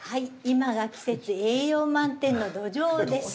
今が季節栄養満点のどじょうです。